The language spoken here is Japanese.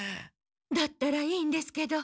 だったらいいんですけど。